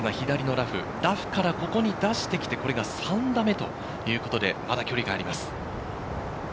ラフからここに出してきて、これが３打目ということで、まだ距離があります。